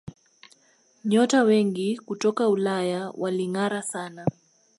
nyota wengi kutoka Ulaya walingara sana